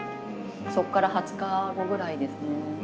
そこから２０日後ぐらいですね。